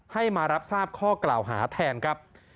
ให้มารับทราบข้อกล่าวหาแทนครับ